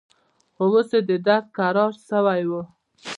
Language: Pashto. خو اوس يې درد کرار سوى و.